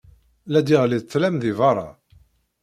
La d-iɣelli ḍḍlam deg beṛṛa.